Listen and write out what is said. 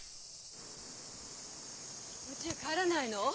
うちへ帰らないの？